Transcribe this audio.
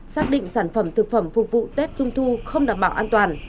xác định sản phẩm thực phẩm phục vụ tết trung thu không đảm bảo an toàn